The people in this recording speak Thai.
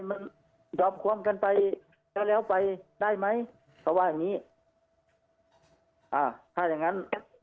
มันยอมความกันไปแล้วแล้วไปได้ไหมเขาว่าอย่างงี้อ่าถ้าอย่างงั้น